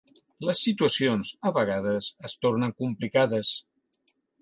Les situacions, a vegades, es tornen complicades